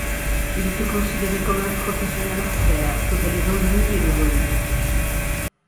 Il était considéré comme un professionnel hors pair, totalisant de vol.